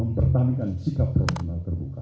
mempertamikan sikap proporsional terbuka